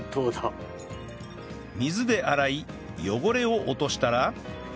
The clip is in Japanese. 水で洗い汚れを落としたら